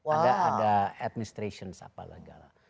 ada administration apa lagi